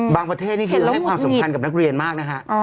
ประเทศนี่คือให้ความสำคัญกับนักเรียนมากนะฮะ